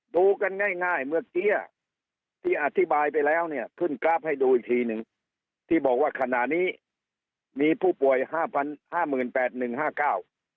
ดูกันง่ายง่ายเมื่อกี้ที่อธิบายไปแล้วเนี่ยขึ้นกราฟให้ดูอีกทีหนึ่งที่บอกว่าขณะนี้มีผู้ป่วยห้าพันห้าหมื่นแปดหนึ่งห้าเก้า